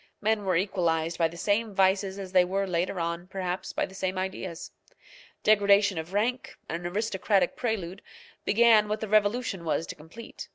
Men were equalized by the same vices as they were later on, perhaps, by the same ideas. Degradation of rank, an aristocratic prelude, began what the revolution was to complete.